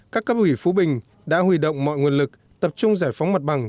các cấp ủy phú bình đã huy động mọi nguồn lực tập trung giải phóng mặt bằng